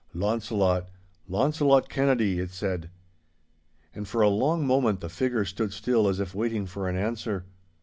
'Launcelot—Launcelot Kennedy!' it said. And for a long moment the figure stood still as if waiting for an answer.